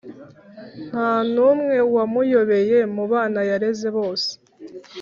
Nta n’umwe wamuyoboye mu bana yareze bose